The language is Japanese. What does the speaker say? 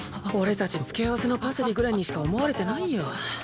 俺たち付け合わせのパセリぐらいにしか思われてないよ。